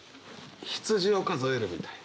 羊を数えるみたいな。